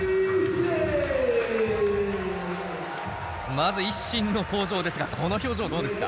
まずＩＳＳＩＮの登場ですがこの表情どうですか？